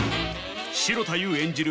城田優演じる